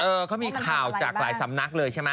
เขามีข่าวจากหลายสำนักเลยใช่ไหม